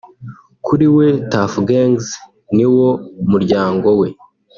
Kuri we Tuff Gangs niwo muryango we